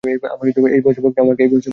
আমাকে এই বয়সে বকছেন?